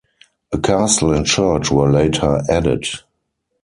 A castle and church were later added.